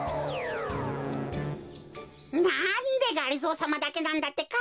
なんでがりぞーさまだけなんだってか？